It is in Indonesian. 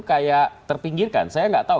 kayak terpinggirkan saya nggak tahu